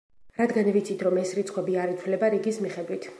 რადგან ვიცით, რომ ეს რიცხვები არ იცვლება რიგის მიხედვით.